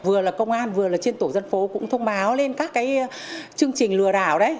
vừa là công an vừa là trên tổ dân phố cũng thông báo lên các cái chương trình lừa đảo đấy